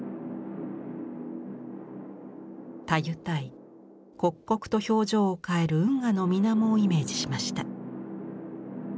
たゆたい刻々と表情を変える運河の水面をイメージしました。